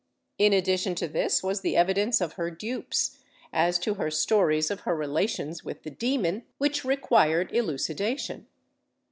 In addition to this was the evidence of her dupes, as to her stories of her relations with the demon, which required elucidation.